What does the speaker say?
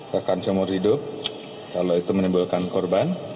bahkan jumur hidup kalau itu menimbulkan korban